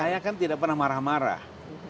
saya kan tidak pernah marah marah